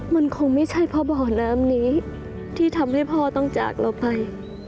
มันคงไม่ใช่เพราะบ่อน้ำนี้ที่ทำให้พ่อต้องจากเราไป